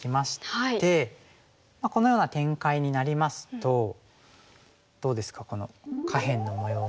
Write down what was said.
このような展開になりますとどうですかこの下辺の模様が。